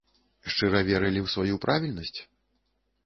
Шчыра верылі ў сваю правільнасць?